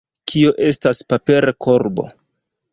Kio estas paperkorbo?